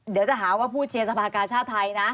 เดี๋ยวจะหาว่าผู้เชียร์สภากาชาติไทยนะ